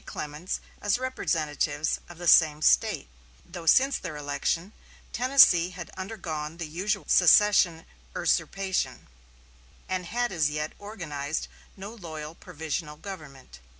Clements as representatives from the same State, though since their election Tennessee had undergone the usual secession usurpation, and had as yet organized no loyal provisional government.